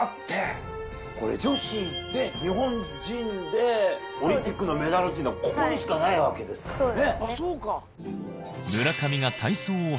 女子で日本人でオリンピックのメダルはここにしかないわけですからね。